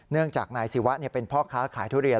เนื่องจากนายศิวะเป็นพ่อค้าขายทุเรียน